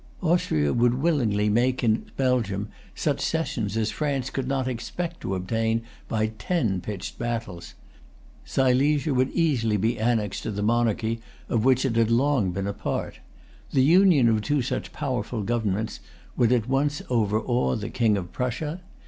Austria would willingly make in Belgium such cessions as France could not expect to obtain by ten pitched battles. Silesia would easily be annexed to the monarchy of which it had long been a part. The union of two such powerful governments would at once overawe the King of Prussia.